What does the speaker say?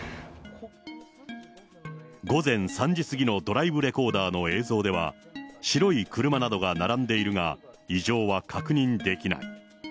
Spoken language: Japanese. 午前３時過ぎのドライブレコーダーの映像では、白い車などが並んでいるが、異常は確認できない。